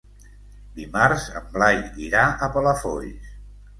Dimarts en Blai irà a Palafolls.